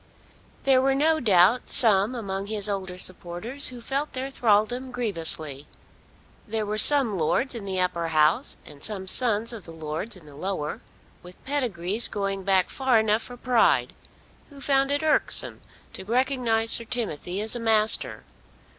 There were no doubt some among his older supporters who felt their thraldom grievously. There were some lords in the Upper House and some sons of the lords in the Lower, with pedigrees going back far enough for pride, who found it irksome to recognise Sir Timothy as a master.